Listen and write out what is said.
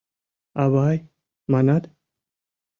— Авай, манат?